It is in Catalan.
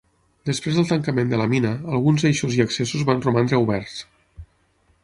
Després del tancament de la mina, alguns eixos i accessos van romandre oberts.